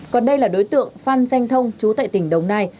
còn đây là đối tượng phan danh thông chú tại tỉnh đồng nai